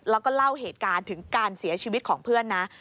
แล้วก็เล่าเหตุการณ์ถึงการเสียชีวิตของเพื่อนนะ